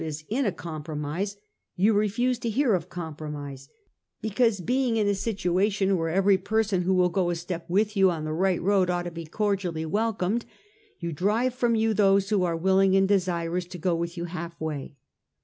351 is in a compromise, you refuse to hear of compro mise ; because, being in a situation where every per son who will go a step with you on the right road ought to he cordially welcomed, you drive from you those who are willing and desirous to go with you half way.